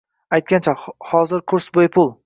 - Aytgancha, hozir kurs bepul